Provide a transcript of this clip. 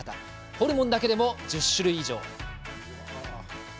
ホルモンだけでも１０種類以上。